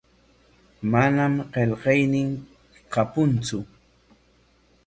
Manam qillaynin kapuntsu.